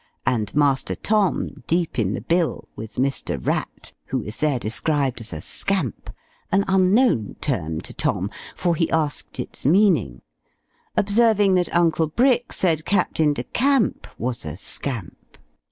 and Master Tom, deep in the bill, with Mr. Rat, who is there described as a "scamp" an unknown term to Tom, for he asked its meaning; observing that Uncle Brick said Captain de Camp was a scamp.